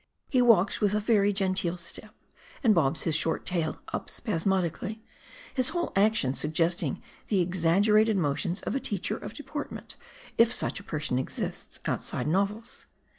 He walks with a " very genteel " step, and bobs his short tail up spasmodicallj' ; his whole action suggesting the exaggerated motions of a teacher of deportment, if such a person exists outside novels.